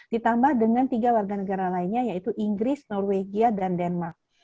ditambah dengan tiga warga negara lainnya yaitu inggris norwegia dan denmark